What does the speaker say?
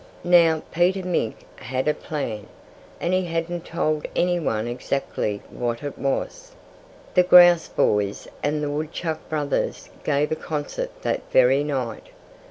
Now, Peter Mink had a plan. And he hadn't told any one exactly what it was. The Grouse boys and the Woodchuck brothers gave a concert that very night.